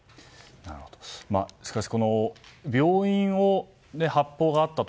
しかし、病院で発砲があったと。